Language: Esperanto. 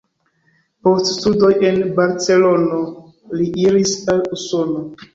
Post studoj en Barcelono li iris al Usono.